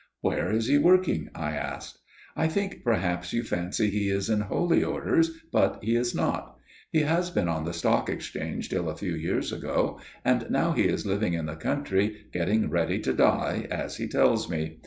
"Where is he working?" I asked. "I think perhaps you fancy he is in Holy Orders, but he is not. He has been on the Stock Exchange till a few years ago, and now he is living in the country, getting ready to die, as he tells me.